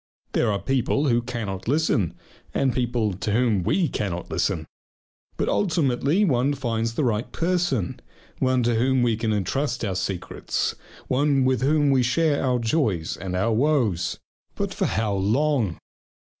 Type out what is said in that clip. There are people who cannot listen and people to whom we cannot listen. But ultimately one finds the right person, one to whom we can entrust our secrets, one with whom we share our joys and our woes. But for how long?